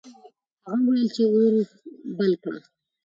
هغه وویل چې اور بل کړه.